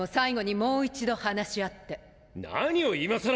何を今更！